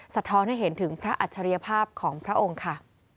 สะท้อนให้เห็นถึงพระอัจฉริยภาพของพระองค์ค่ะ